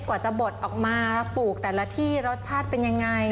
กว่าจะบดออกมาปลูกแต่ละที่รสชาติเป็นยังไง